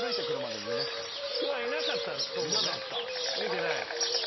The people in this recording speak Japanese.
見てない。